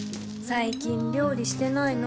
最近料理してないの？